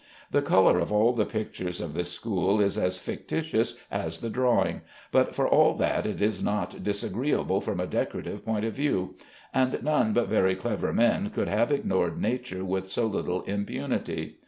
The color of all the pictures of this school is as fictitious as the drawing, but for all that it is not disagreeable from a decorative point of view; and none but very clever men could have ignored nature with so little impunity.